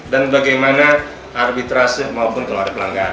dan bagaimana arbitrasi maupun keluarga perlenggaran